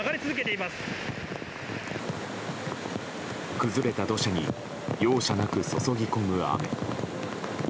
崩れた土砂に容赦なく注ぎ込む雨。